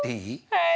はい！